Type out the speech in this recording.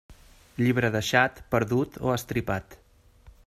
Llibre deixat, perdut o estripat.